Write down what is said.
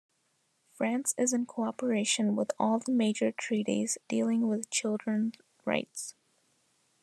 France is in cooperation with all the major treaties dealing with children rights.